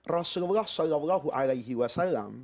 rasulullah sallallahu alaihi wasallam